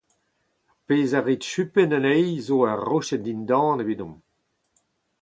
"Ar pezh a rit ""chupenn"" anezhi zo ur ""roched-dindan"" evidomp."